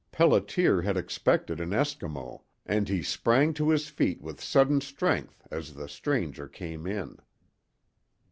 Pelliter had expected an Eskimo, and he sprang to his feet with sudden strength as the stranger came in.